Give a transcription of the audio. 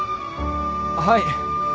はい！